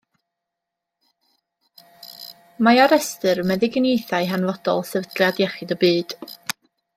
Mae ar Restr Meddyginiaethau Hanfodol Sefydliad Iechyd y Byd.